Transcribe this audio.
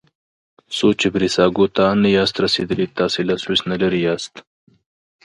څو چې بریساګو ته نه یاست رسیدلي تاسي له سویس نه لرې یاست.